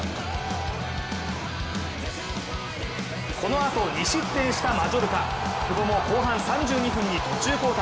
このあと、２失点したマジョルカ久保も後半３２分に途中交代。